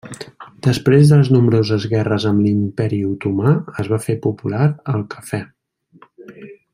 Després de les nombroses guerres amb l'Imperi Otomà, es va fer popular el cafè.